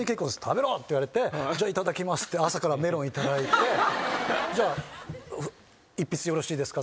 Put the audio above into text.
「食べろ！」って言われて「じゃあいただきます」って朝からメロンいただいて「じゃあ一筆よろしいですか？」